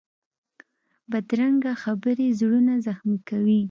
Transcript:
بدرنګه خبرې زړونه زخمي کوي